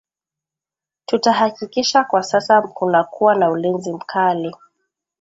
tutahakikisha kwa sasa kunakuwa na ulinzi mkali